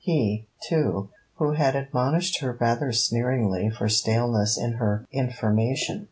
He, too, who had admonished her rather sneeringly for staleness in her information.